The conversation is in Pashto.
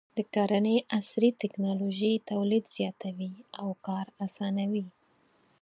د کرنې عصري ټکنالوژي تولید زیاتوي او کار اسانوي.